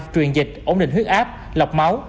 truyền dịch ổn định huyết áp lọc máu